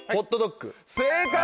正解！